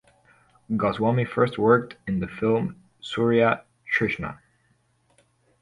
Goswami first worked in the film "Surya Trishna".